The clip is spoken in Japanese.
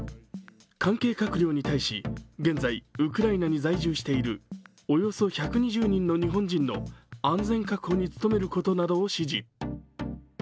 関係閣僚に対し、現在、ウクライナに在住しているおよそ１２０人の日本人の安全確保に努めることなどを指示。